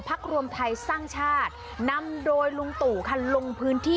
รวมไทยสร้างชาตินำโดยลุงตู่ค่ะลงพื้นที่